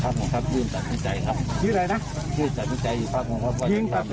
เขาจะทำดีไม่ทำดีครับ